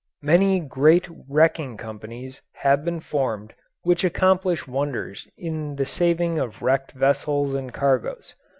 Many great wrecking companies have been formed which accomplish wonders in the saving of wrecked vessels and cargoes.